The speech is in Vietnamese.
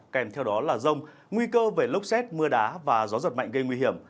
kèm theo đó là rông nguy cơ về lốc xét mưa đá và gió giật mạnh gây nguy hiểm